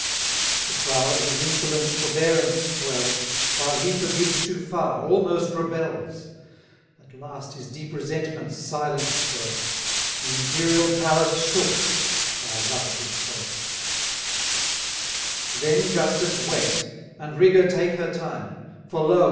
The crowd, whose insolence forbearance swells, While he forgives too far, almost rebels. 730 At last his deep resentments silence broke, The imperial palace shook, while thus he spoke Then Justice wait, and Rigour take her time, For lo!